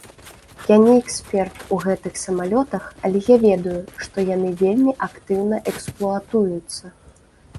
Я не эксперт у гэтых самалётах, але я ведаю, што яны вельмі актыўна эксплуатуюцца.